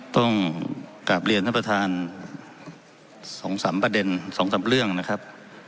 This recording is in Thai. ต้องกราบเรียนท่านประธานสองสามประเด็นสองสามเรื่องนะครับ